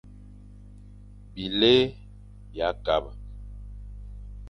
Bilé bia kabe.